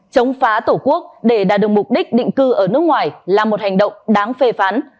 chống phá tổ quốc để đạt được mục đích định cư ở nước ngoài là một hành động đáng phê phán